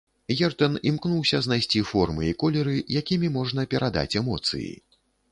Ертэн імкнулася знайсці формы і колеры, якімі можна перадаць эмоцыі.